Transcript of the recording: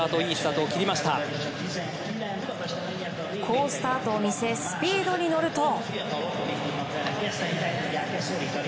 好スタートを見せスピードに乗ると。